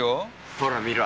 ほらみろ。